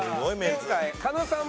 前回狩野さん